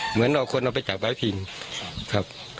เหมือนเอาคนเอาไปจับไว้พิงครับ